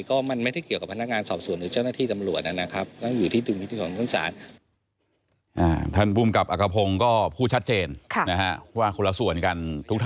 ก็มันไม่ได้เกี่ยวกับพนักงานสอบสวน